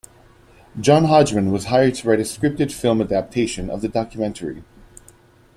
John Hodgman was hired to write a scripted film adaptation of the documentary.